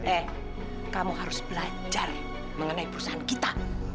eh kamu harus belajar mengenai perusahaan kita